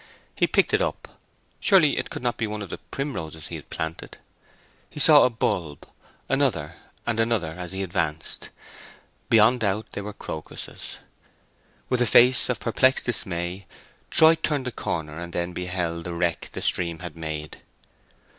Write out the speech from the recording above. He picked it up—surely it could not be one of the primroses he had planted? He saw a bulb, another, and another as he advanced. Beyond doubt they were the crocuses. With a face of perplexed dismay Troy turned the corner and then beheld the wreck the stream had made.